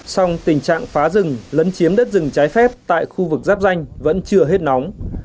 song tình trạng phá rừng lấn chiếm đất rừng trái phép tại khu vực giáp danh vẫn chưa hết nóng